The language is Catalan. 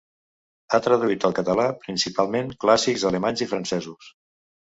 Ha traduït al català principalment clàssics alemanys i francesos.